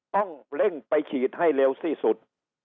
ต้องเร่งไปฉีดให้เร็วที่สุด